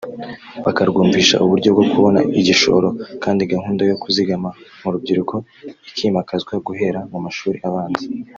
bakarwumvisha uburyo bwo kubona igishoro kandi gahunda yo kuzigama mu rubyiruko ikimakazwa guhera mu mashuri abanza